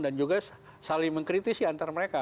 dan juga saling mengkritisi antara mereka